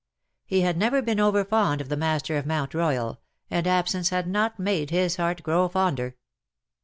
He had never been over fond of the master of Mount Royal, and absence had not made his heart grow fonder.